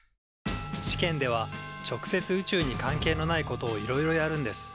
試験では直接宇宙に関係のないことをいろいろやるんです。